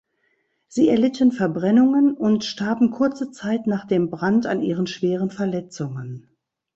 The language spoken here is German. Sie erlitten Verbrennungen und starben kurze Zeit nach dem Brand an ihren schweren Verletzungen.